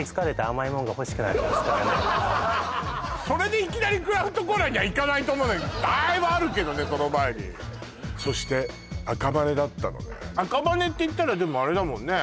やっぱりそれでいきなりクラフトコーラにはいかないと思うんだけどだいぶあるけどねその前にそして「赤羽」だったのね赤羽っていったらでもあれだもんね